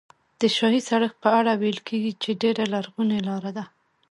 د شاهي سړک په اړه ویل کېږي چې ډېره لرغونې لاره ده.